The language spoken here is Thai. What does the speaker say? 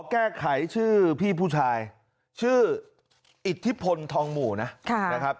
แก้ไขชื่อพี่ผู้ชายชื่ออิทธิพลทองหมู่นะครับ